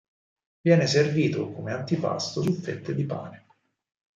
Viene servito come antipasto su fette di pane.